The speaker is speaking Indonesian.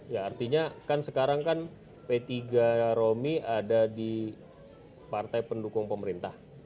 ya artinya kan sekarang kan p tiga romi ada di partai pendukung pemerintah